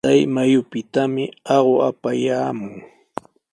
Chay mayupitami aqu apayaamun.